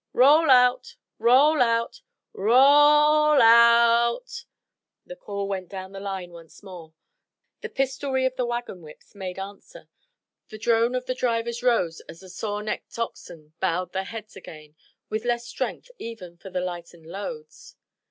"Roll out! Roll out! Ro o o ll ou t!" The call went down the line once more. The pistolry of the wagon whips made answer, the drone of the drivers rose as the sore necked oxen bowed their heads again, with less strength even for the lightened loads.